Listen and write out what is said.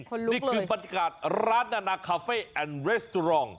นี่คือบรรยากาศร้านนานาคาเฟ่แอนด์เรสตรอง